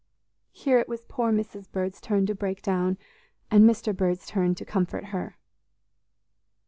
Here it was poor Mrs. Bird's turn to break down, and Mr. Bird's turn to comfort her.